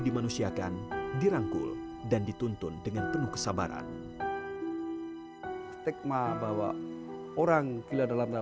di mana ajaran suraya itu berintikan amalan dikir